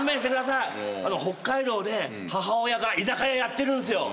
北海道で母親が居酒屋やってるんすよ。